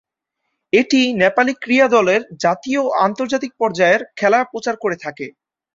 এটি নেপালি ক্রীড়া দলের জাতীয় ও আন্তর্জাতিক পর্যায়ের খেলা প্রচার করে থাকে।